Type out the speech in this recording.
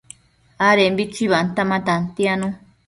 adembi chuibanta ma tantianu